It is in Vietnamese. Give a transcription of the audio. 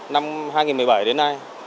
năm hai nghìn một mươi bảy đến nay